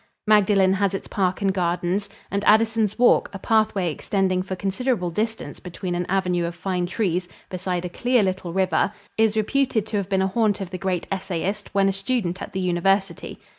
Magdalen has its park and gardens, and Addison's Walk a pathway extending for considerable distance between an avenue of fine trees beside a clear little river is reputed to have been a haunt of the great essayist when a student at the University.